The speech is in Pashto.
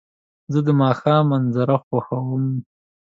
زه د ماښام منظر خوښوم.